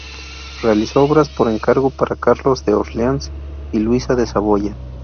Realizó obras por encargo para Carlos de Orleans y Luisa de Saboya.